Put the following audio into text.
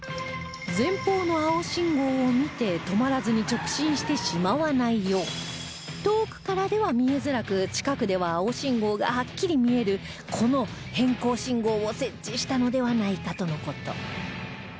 前方の青信号を見て止まらずに直進してしまわないよう遠くからでは見えづらく近くでは青信号がはっきり見えるこの偏光信号を設置したのではないかとの事